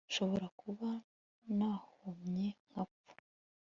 Nshobora kuba narohamye nkapfa